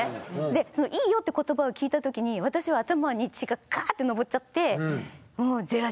でその「いいよ」って言葉を聞いた時に私は頭に血がカーッと上っちゃってもうジェラシーですよね。